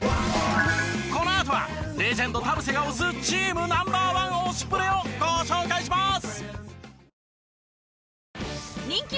このあとはレジェンド田臥が推すチームナンバー１推しプレをご紹介します！